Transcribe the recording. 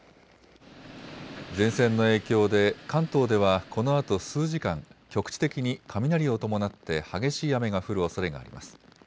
前線の影響で関東ではこのあと数時間、局地的に雷を伴って激しい雨が降るおそれがあります。